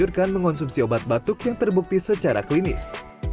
dihadirkan mengonsumsi obat batuk yang terbukti secara klinis